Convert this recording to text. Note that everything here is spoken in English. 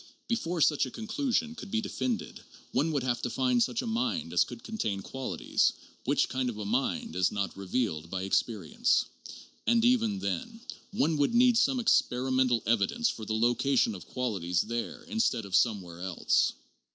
Before such a conclusion could he defended, one would have to find such a "mind" as could contain qualities, which kind of a "mind" is not revealed by experience; and even then, one would need some experimental evidence for the location of qualities there instead of somewhere else.